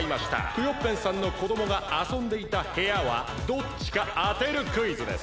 クヨッペンさんのこどもがあそんでいた部屋はどっちかあてるクイズです。